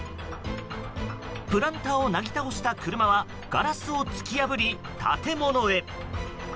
プランターをなぎ倒した車はガラスを突き破り、建物へ。